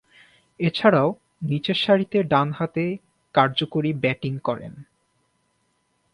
এছাড়াও, নিচেরসারিতে ডানহাতে কার্যকরী ব্যাটিং করেন।